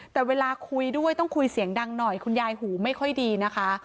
แต่เวลาคุยด้วยต้องคุยเสียงดังหน่อยคุณยายหูไม่ค่อยดีนะคะ